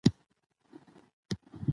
که نن په پلازمېنه کابل کې د څو لوحو لیکدړو